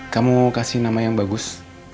kamu kasih nama yang bagus